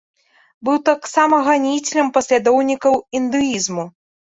Быў таксама ганіцелем паслядоўнікаў індуізму.